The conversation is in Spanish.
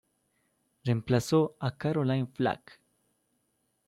Remplazó a Caroline Flack.